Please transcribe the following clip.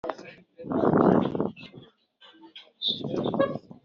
amagambo urukundo nyarwo cyangwa urukundo